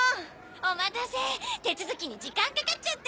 お待たせ手続きに時間かかっちゃって。